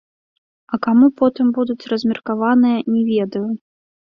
А каму потым будуць размеркаваныя, не ведаю.